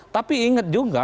tapi ingat juga